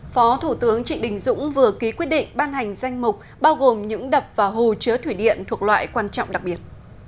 phó thủ tướng trịnh đình dũng vừa ký quyết định ban hành danh mục bao gồm những đập và hồ chứa thủy điện thuộc loại quan trọng đặc biệt